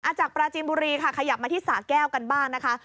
จากปราจีนบุรีค่ะขยับมาที่สาแก้วกันบ้างนะคะ